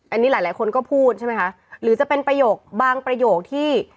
อันนี้หลายหลายคนก็พูดใช่ไหมคะหรือจะเป็นประโยคบางประโยคที่